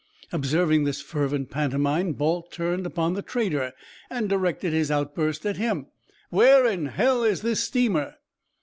Observing this fervent pantomime, Balt turned upon the trader and directed his outburst at him: "Where in hell is this steamer?"